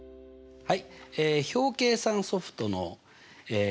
はい。